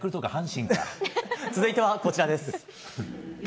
続いてはこちらです。